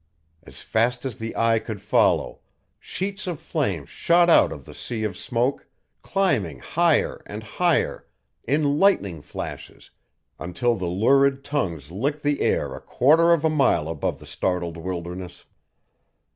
As fast as the eye could follow, sheets of flame shot out of the sea of smoke, climbing higher and higher, in lightning flashes, until the lurid tongues licked the air a quarter of a mile above the startled wilderness.